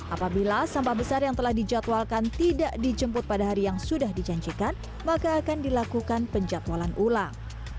apabila sampah besar yang telah dijadwalkan tidak dijemput pada hari yang sudah dijanjikan maka akan dilakukan penjatualan ulang